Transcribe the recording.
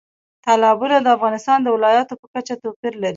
تالابونه د افغانستان د ولایاتو په کچه توپیر لري.